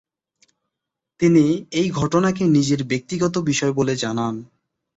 তিনি এই ঘটনাকে নিজের ব্যক্তিগত বিষয় বলে জানান।